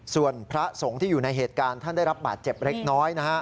ส่วนพระสงฆ์ที่อยู่ในเหตุการณ์ท่านได้รับบาดเจ็บเล็กน้อยนะฮะ